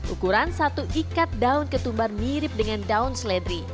ukuran satu ikat daun ketumbar mirip dengan daun seledri